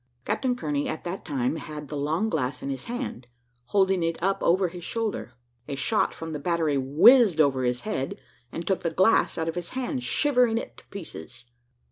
Captain Kearney at that time had the long glass in his hand, holding it up over his shoulder. A shot from the battery whizzed over his head, and took the glass out of his hand, shivering it to pieces.